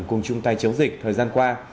cùng chung tay chống dịch thời gian qua